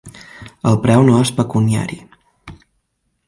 El preu no és pecuniari.